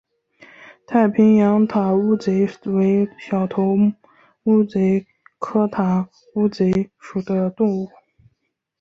太平洋塔乌贼为小头乌贼科塔乌贼属的动物。